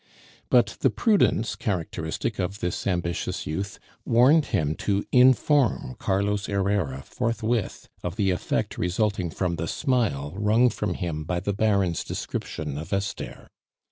But the prudence characteristic of this ambitious youth warned him to inform Carlos Herrera forthwith of the effect resulting from the smile wrung from him by the Baron's description of Esther.